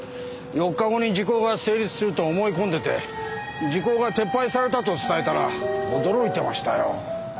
４日後に時効が成立すると思い込んでて時効が撤廃されたと伝えたら驚いてましたよ。